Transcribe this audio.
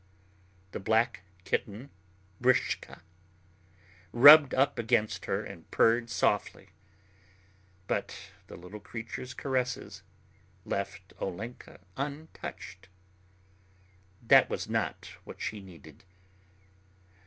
The black kitten Bryska rubbed up against her and purred softly, but the little creature's caresses left Olenka untouched. That was not what she needed.